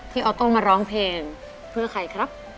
ออโต้มาร้องเพลงเพื่อใครครับ